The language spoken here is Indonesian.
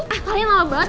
ah kalian lama banget